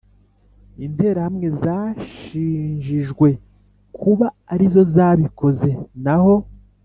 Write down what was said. interahamwe zashinjinjwe kuba ari zo zabikoze naho